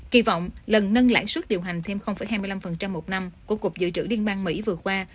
kỳ vọng lần nâng lãi suất điều hành thêm hai mươi năm một năm của cục dự trữ liên bang mỹ vừa qua